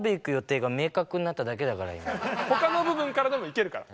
ほかの部分からでもいけるから。